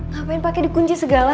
ngapain pake di kunci segala